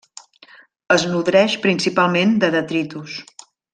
Es nodreix principalment de detritus.